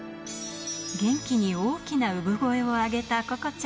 元気に大きな産声を上げたここちゃん。